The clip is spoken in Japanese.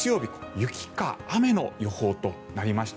雪か雨の予報となりました。